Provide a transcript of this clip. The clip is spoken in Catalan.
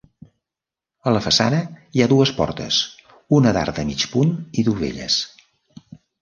A la façana hi ha dues portes, una d'arc de mig punt i dovelles.